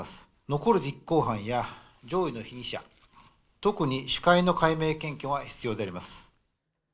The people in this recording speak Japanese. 残る実行犯や上位の被疑者、特に首魁の解明検挙が必要であります。